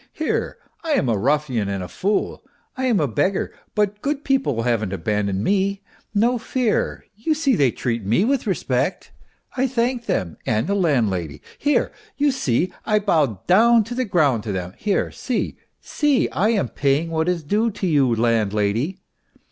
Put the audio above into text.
Here I am a ruffian and a fool, I am a beggar ; but good people haven't abandoned me, no fear; you see they treat me with respect, I thank them and the landlady. Here, you see, I bow down to the ground to them ; here, see, see, I am paying what is due to you, landlady